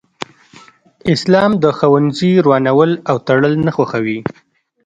اسلام د ښوونځي ورانول او تړل نه خوښوي